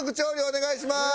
お願いします。